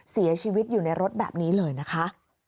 เสียชีวิตอยู่ในรถแบบนี้เลยนะคะ